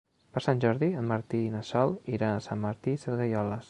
Per Sant Jordi en Martí i na Sol iran a Sant Martí Sesgueioles.